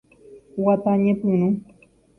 Guata ñepyrũ.